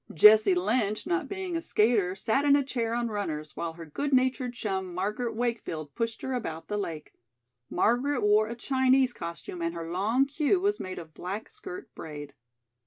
Jessie Lynch, not being a skater, sat in a chair on runners, while her good natured chum, Margaret Wakefield, pushed her about the lake. Margaret wore a Chinese costume and her long queue was made of black skirt braid.